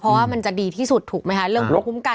เพราะว่ามันจะดีที่สุดถูกไหมค่ะ